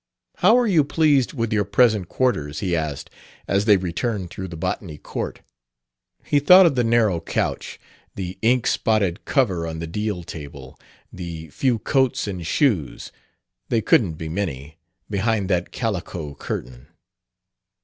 "How are you pleased with your present quarters?" he asked, as they returned through the Botany court. He thought of the narrow couch, the ink spotted cover on the deal table, the few coats and shoes (they couldn't be many) behind that calico curtain.